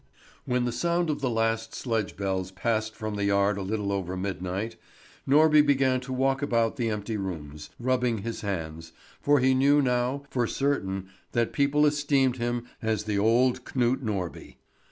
When the sound of the last sledge bells passed from the yard a little over midnight, Norby began to walk about the empty rooms, rubbing his hands, for he knew now for certain that people esteemed him as the old Knut Norby.